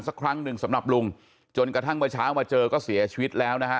สักครั้งหนึ่งสำหรับลุงจนกระทั่งเมื่อเช้ามาเจอก็เสียชีวิตแล้วนะฮะ